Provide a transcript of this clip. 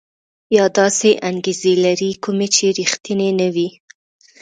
یا داسې انګېزې لري کومې چې ريښتيني نه وي.